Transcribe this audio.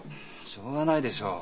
しょうがないでしょう。